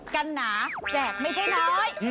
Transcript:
กันหนาแจกไม่ใช่น้อย